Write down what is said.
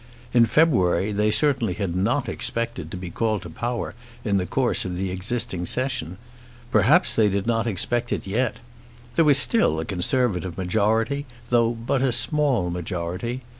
In February they certainly had not expected to be called to power in the course of the existing Session. Perhaps they did not expect it yet. There was still a Conservative majority, though but a small majority.